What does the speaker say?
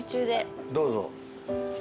どうぞ。